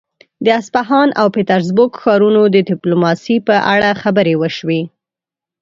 د اصفهان او پيترزبورګ ښارونو د ډيپلوماسي په اړه خبرې وشوې.